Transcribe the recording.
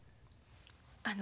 あの。